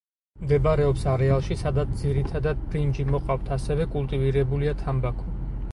მდებარეობს არეალში, სადაც ძირითადად ბრინჯი მოყავთ, ასევე კულტივირებულია თამბაქო.